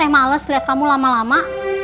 malas lihat kamu lama lama